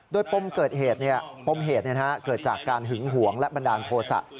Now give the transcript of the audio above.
โดยป้มเหตุเนี่ยเกิดจากการหึงหวงและบันดาลโทรศัพท์